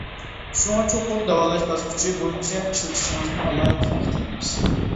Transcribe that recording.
شۇڭا چوقۇم داۋالاش باسقۇچى بويىچە ئىشلىتىشىڭىزنى ئالاھىدە تەكىتلەيمىز.